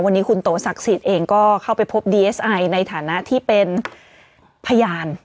วันนี้คุณโตศักดิ์สิทธิ์เองก็เข้าไปพบดีเอสไอในฐานะที่เป็นพยาน